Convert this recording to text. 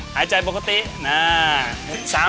หายใจปกติน่า